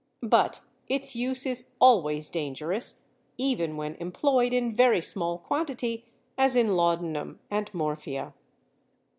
But its use is always dangerous, even when employed in very small quantity, as in laudanum and morphia.